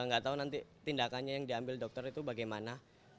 gak tau nanti tindakannya yang diambil dokter itu bagaimana